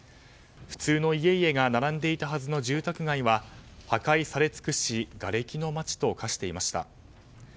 普通の家々が並んでいたはずの住宅街は破壊され尽くしがれきの街と化していました。